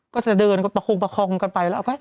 ก็จะเดินประคงกันไปแล้ว